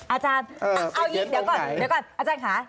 อาจารย์เอาอีกเดี๋ยวก่อนอาจารย์ขา